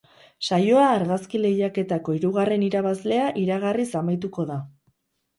Saioa argazki lehiaketako hirugarrren irabazlea iragarriz amaituko da.